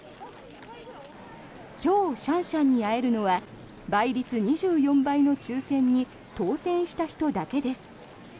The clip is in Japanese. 今日、シャンシャンに会えるのは倍率２４倍の抽選に当選した人だけです。